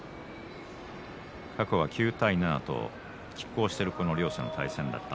過去９対７ときっ抗している両者の対戦でした。